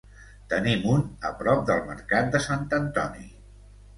Tenim un a prop del mercat de Sant Antoni.